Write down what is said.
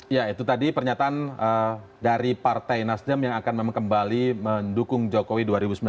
ya itu tadi pernyataan dari partai nasdem yang akan memang kembali mendukung jokowi dua ribu sembilan belas